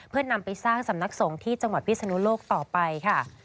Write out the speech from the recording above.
เพื่อนำไปสร้างสำนักสงฆ์ที่จังหวัดพิศนุโลกต่อไปค่ะ